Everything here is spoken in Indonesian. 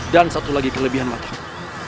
dan satu lagi kelebihan mataku